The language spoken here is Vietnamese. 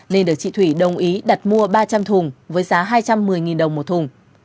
nên được chị thủy đồng ý đặt mua ba trăm linh thùng với giá hai trăm một mươi đồng một thùng